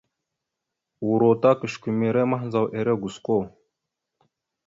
Uro ta kʉsəkumere mahəndzaw ere gosko.